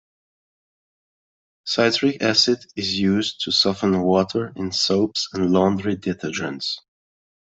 Citric acid is used to soften water in soaps and laundry detergents.